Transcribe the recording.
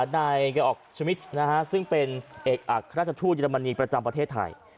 นายเกออกชมิตซึ่งเป็นเอกอัครราชทูตเยอรมนีประจำประเทศไทย